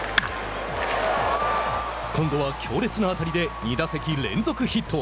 今度は強烈な当たりで２打席連続ヒット。